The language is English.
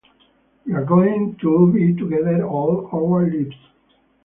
We're going to be together all our lives.